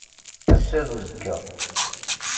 Ass-a d uzekka.